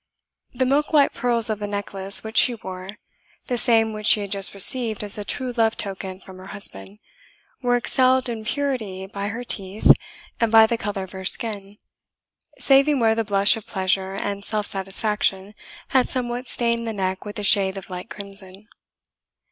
The milk white pearls of the necklace which she wore, the same which she had just received as a true love token from her husband, were excelled in purity by her teeth, and by the colour of her skin, saving where the blush of pleasure and self satisfaction had somewhat stained the neck with a shade of light crimson.